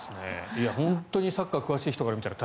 本当にサッカーに詳しい人から見たら。